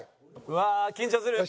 うわ緊張する。